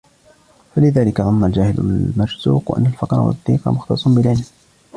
فَلِذَلِكَ ظَنَّ الْجَاهِلُ الْمَرْزُوقُ أَنَّ الْفَقْرَ وَالضِّيقَ مُخْتَصٌّ بِالْعِلْمِ